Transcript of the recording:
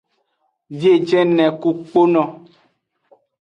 Biejene ku kpono.